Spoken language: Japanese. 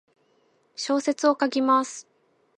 小説を書きます。